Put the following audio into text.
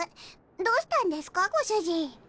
どうしたんですかご主人。